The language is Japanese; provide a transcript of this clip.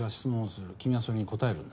君はそれに答えるんだ。